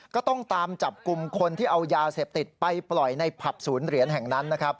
ก็ต้องตามจับกลุ่มคนที่เอายาเสพติดไปปล่อยในผับศูนย์เหรียญแห่งนั้นนะครับ